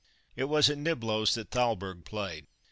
It was at Niblo's that Thalberg played.